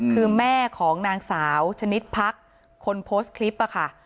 คือแม่ของนางสาวชนิดพักคนโพสต์คลิปค่ะ